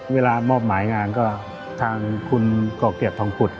เวลามอบหมายงานก็ทางคุณก่อเกียรติทองกุฎ